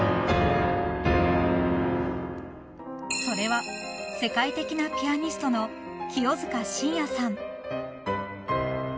［それは世界的なピアニストの清塚信也さん］